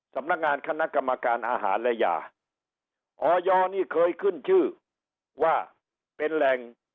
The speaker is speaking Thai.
ขณะกรรมการอาหารและยาออยานี่เคยขึ้นชื่อว่าเป็นแหล่ง